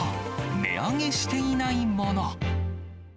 値上げしていないもの。